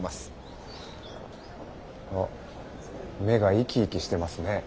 あ目が生き生きしてますね。